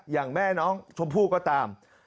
อย่างแม่น้องชมพู่ก็ตาม